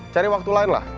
cari waktu lain lah